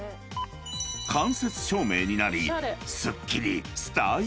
［間接照明になりすっきりスタイリッシュに］